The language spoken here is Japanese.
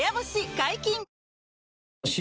解禁‼